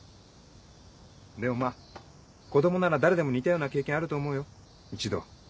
でもまぁ子供なら誰でも似たような経験あると思うよ一度は。